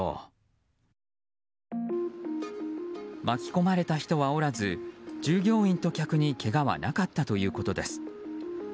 巻き込まれは人はおらず従業員と客にけがはなかったということです。